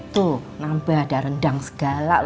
tuh nambah ada rendang segala